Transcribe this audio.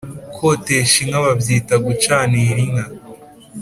Kotesha inka babyita Gucanira Inka